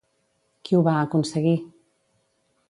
Qui ho va aconseguir?